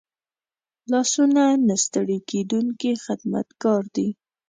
لاسونه نه ستړي کېدونکي خدمتګار دي